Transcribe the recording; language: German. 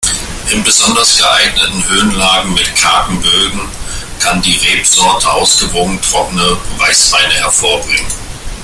In besonders geeigneten Höhenlagen mit kargen Böden kann die Rebsorte ausgewogene trockene Weißweine hervorbringen.